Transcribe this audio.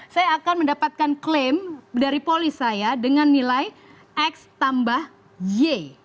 saya akan mendapatkan klaim dari polis saya dengan nilai x tambah y